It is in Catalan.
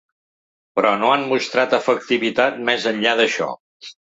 Però no han mostrat efectivitat més enllà d’això.